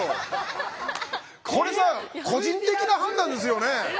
これさ個人的な判断ですよね？